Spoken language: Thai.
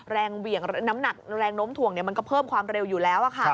เหวี่ยงน้ำหนักแรงโน้มถ่วงมันก็เพิ่มความเร็วอยู่แล้วค่ะ